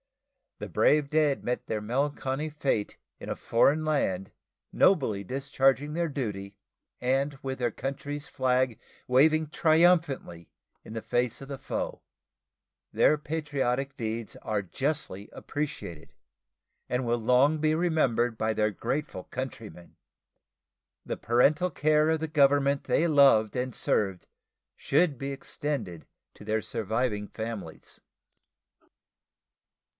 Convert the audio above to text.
The brave dead met their melancholy fate in a foreign land, nobly discharging their duty, and with their country's flag waving triumphantly in the face of the foe. Their patriotic deeds are justly appreciated, and will long be remembered by their grateful countrymen. The parental care of the Government they loved and served should be extended to their surviving families.